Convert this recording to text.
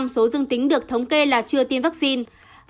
tám mươi bảy số dương tính được thống kê là chưa tiêm vaccine